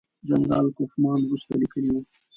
جنرال کوفمان وروسته لیکلي وو.